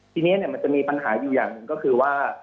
ทีนี้มันจะมีปัญหาอยู่อย่างหนึ่งก็คือว่า